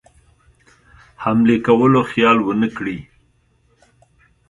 حملې کولو خیال ونه کړي.